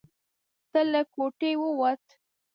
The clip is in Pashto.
ده له کوټې ووت.